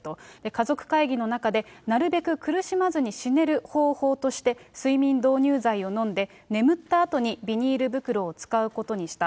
家族会議の中で、なるべく苦しまずに死ねる方法として、睡眠導入剤を飲んで、眠ったあとにビニール袋を使うことにした。